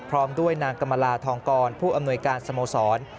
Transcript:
พร้อมด้วยนางกรรมลาทองกรผู้อำนวยการสโมสร